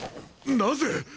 なぜ！？